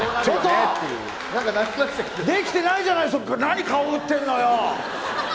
できてないじゃない、何、顔打ってんのよ。